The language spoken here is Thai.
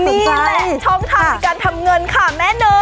นี่แหละช่องทางในการทำเงินค่ะแม่เนย